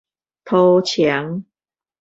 塗戕